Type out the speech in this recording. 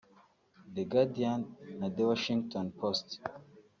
The Guardian na The Washington Post